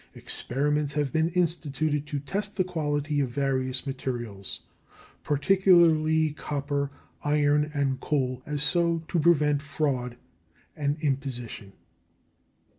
Experiments have been instituted to test the quality of various materials, particularly copper, iron, and coal, so as to prevent fraud and imposition.